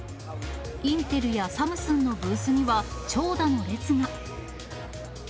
インテルやサムスンのブースには長蛇の列が。